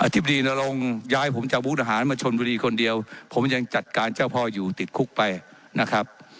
ธิบดีนรงค์ย้ายผมจากมุทหารมาชนบุรีคนเดียวผมยังจัดการเจ้าพ่ออยู่ติดคุกไปนะครับ